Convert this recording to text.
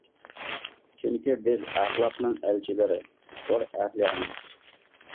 چۈنكى بىز ئەخلاقنىڭ ئەلچىلىرى، تور ئەھلى ئەمەس.